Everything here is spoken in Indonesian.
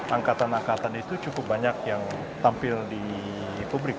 angkatan angkatan itu cukup banyak yang tampil di publik